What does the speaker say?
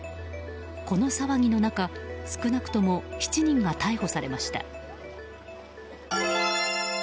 この騒ぎの中少なくとも７人が逮捕されました。